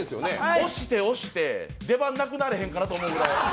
押して押して、出番なくなるんじゃないかと思うくらい。